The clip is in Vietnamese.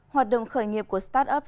hoạt động khởi nghiệp của startup